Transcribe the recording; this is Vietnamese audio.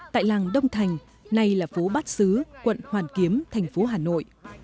tại làng đông thành nay là phố bát sứ quận hoàn kiếm thành phố hà nội